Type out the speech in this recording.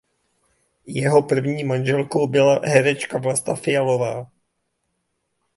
Jeho první manželkou byla herečka Vlasta Fialová.